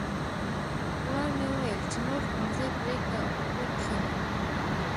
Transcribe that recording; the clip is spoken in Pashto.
پلار مې وویل چې نور ښوونځی پریږده او په کور کښېنه